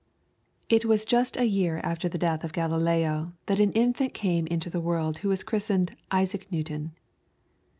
It was just a year after the death of Galileo, that an infant came into the world who was christened Isaac Newton.